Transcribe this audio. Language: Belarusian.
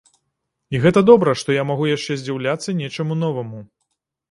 І гэта добра, што я магу яшчэ здзіўляцца нечаму новаму.